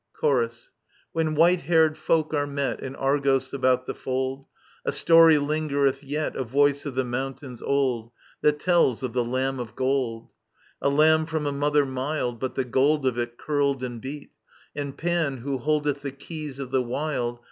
Chorus. When white haired folk are met [Strophe. In Argos about the fold, A story lingereth yet, A voice of the moimtains old. That tells of the Lamb of Gold : Digitized by VjOOQIC 48 EURIPIDES A Iamb from a mother mild, But the gold of it curled and beat ; And Pan, who holdeth the keys of the wild.